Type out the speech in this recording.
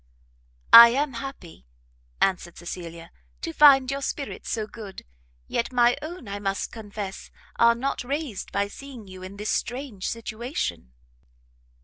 "I am happy," answered Cecilia, "to find your spirits so good; yet my own, I must confess, are not raised by seeing you in this strange situation."